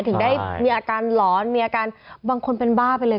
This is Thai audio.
ถึงได้มีอาการหลอนมีอาการบางคนเป็นบ้าไปเลย